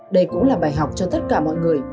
đây cũng là bài học cho tất cả mọi người